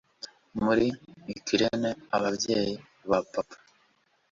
muri ukraine, ababyeyi ba papa